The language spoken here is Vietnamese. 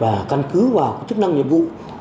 và căn cứ vào chức năng nhiệm vụ